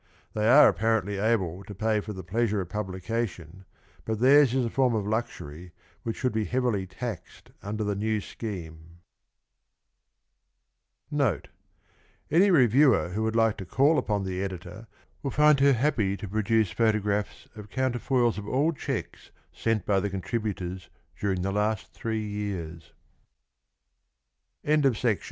They are apparently able to pay for the pleasure of publica tion, but theirs is a form of luxury which should be heavily taxed under the new scheme. NOTE. Any reviewer who would like to call upon the Editor, will find her happy to produce photographs of counterfoils of all cheques sent by the contributo